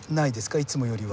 いつもよりは。